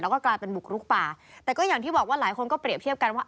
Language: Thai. แล้วก็กลายเป็นบุกรุกป่าแต่ก็อย่างที่บอกว่าหลายคนก็เปรียบเทียบกันว่า